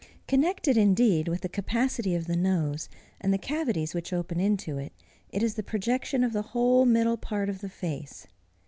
Connected, indeed, with the capacity of the nose, and the cavities which open into it, is the projection of the whole middle part of the face.